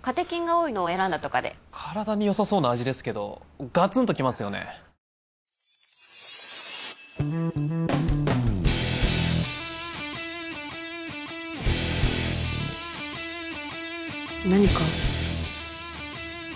カテキンが多いのを選んだとかで体によさそうな味ですけどガツンときますよね何か？